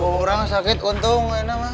penggurang sakit untung